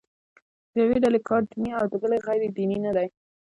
د یوې ډلې کار دیني او د بلې غیر دیني نه دی.